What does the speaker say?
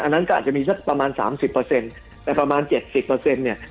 อันนั้นก็อาจจะมีสักประมาณ๓๐แต่ประมาณ๗๐เนี่ย